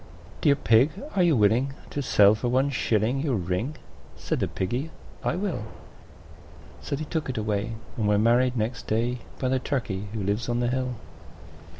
III. "Dear Pig, are you willing to sell for one shilling Your ring?" Said the Piggy, "I will." So they took it away, and were married next day By the Turkey who lives on the hill.